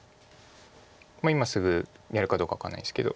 今すぐやるかどうか分かんないですけど。